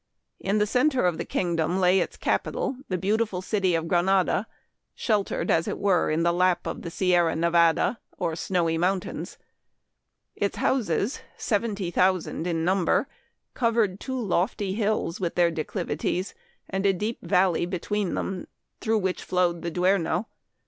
" In the center of the kingdom lay its capital, the beautiful city of Granada, sheltered, as it were, in the lap of the Sierra Nevada, or Snowy Mountains. Its houses, seventy thousand in number, covered two lofty hills with their de clivities, and a deep valley between them, through which flowed the Duero.